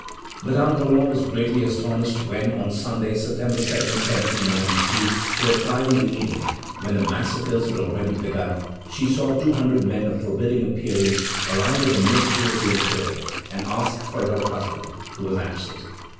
Madame Roland was greatly astonished when, on Sunday, September 2, 1792, toward five in the evening, when the massacres had already begun, she saw two hundred men of forbidding appearance arrive at the Ministry of the Interior and ask for her husband, who was absent.